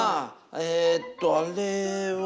えっとあれは。